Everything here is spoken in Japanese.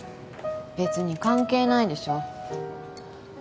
べつに関係ないでしょ。